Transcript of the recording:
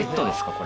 これ。